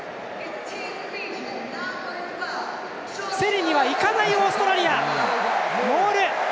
競りにはいかないオーストラリア。